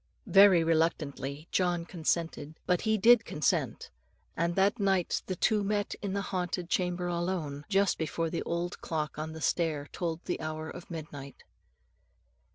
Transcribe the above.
'" Very reluctantly John consented; but he did consent; and that night the two met in the haunted chamber alone, just before the old clock on the stair told the hour of midnight.